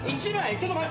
ちょっと待って。